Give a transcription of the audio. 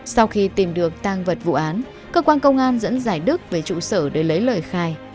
sau khi tìm được tang vật vụ án cơ quan công an dẫn giải đức về trụ sở để lấy lời khai